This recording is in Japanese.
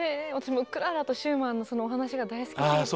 もうクララとシューマンのそのお話が大好きすぎて。